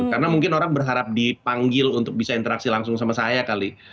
karena mungkin orang berharap dipanggil untuk bisa interaksi langsung sama saya kali